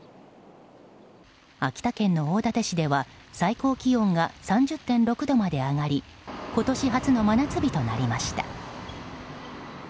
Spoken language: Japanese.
秋田県の大館市では最高気温が３０．６度まで上がり今年初の真夏日となりました。